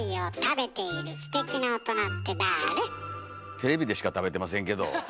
テレビでしか食べてませんけど。